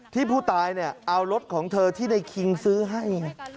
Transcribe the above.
ที่ผู้ตายเนี่ยเอารถของเธอที่ในคิงซื้อให้